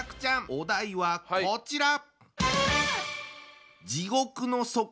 お題はこちら！